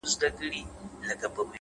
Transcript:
• له کارګه سره پنیر یې ولیدله,